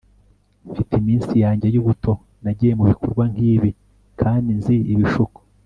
mfite iminsi yanjye y'ubuto nagiye mubikorwa nkibi kandi nzi ibishuko